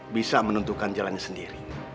bisa menentukan jalannya sendiri